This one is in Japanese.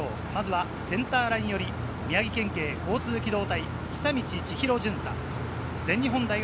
まずはセンターライン寄り、宮城県警交通機動隊、ひさみちちひろ巡査。